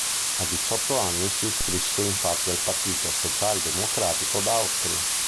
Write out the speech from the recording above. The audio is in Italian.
A diciotto anni si iscrisse infatti al Partito Socialdemocratico d'Austria.